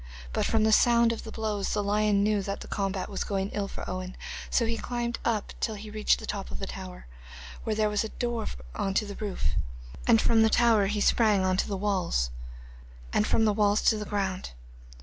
But from the sound of the blows the lion knew that the combat was going ill for Owen, so he climbed up till he reached the top of the tower, where there was a door on to the roof, and from the tower he sprang on to the walls, and from the walls to the ground.